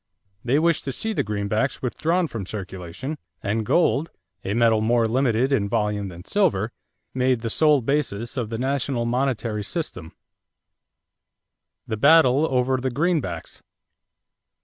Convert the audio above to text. They wished to see the greenbacks withdrawn from circulation and gold a metal more limited in volume than silver made the sole basis of the national monetary system. =The Battle over the Greenbacks.